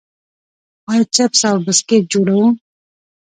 آیا چپس او بسکټ جوړوو؟